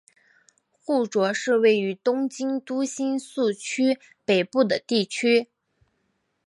户冢是位于东京都新宿区北部的地区。